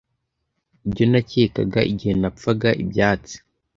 Ibyo nakekaga igihe napfaga ibyatsi,